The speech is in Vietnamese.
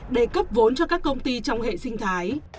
để cấp vốn cho các công ty trong hệ sinh thái